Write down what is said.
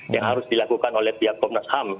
yang harus dilakukan oleh pihak komnas ham